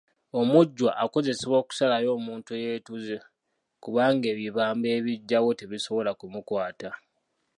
Omujjwa akozesebwa okusalayo omuntu eyeetuze kubanga ebibamba ebigyawo tebisobola kumukwata.